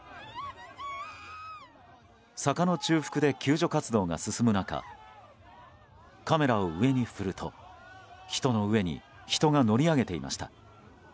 坂の中腹で救助活動が進む中カメラを上に振ると人の上に人が乗り上げていました。